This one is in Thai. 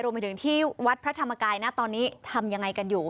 ไปถึงที่วัดพระธรรมกายนะตอนนี้ทำยังไงกันอยู่